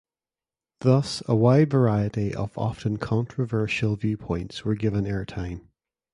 Thus a wide variety of often controversial viewpoints were given air-time.